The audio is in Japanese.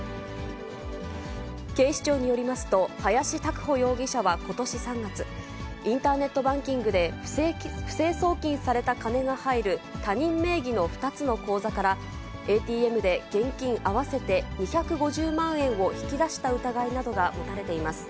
警視庁によりますと、林沢凡容疑者はことし３月、インターネットバンキングで不正送金された金が入る他人名義の２つの口座からＡＴＭで現金合わせて２５０万円を引き出した疑いなどが持たれています。